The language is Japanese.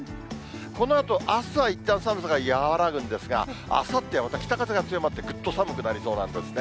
このあとあすはいったん寒さが和らぐんですが、あさってはまた北風が強まってぐっと寒くなりそうなんですね。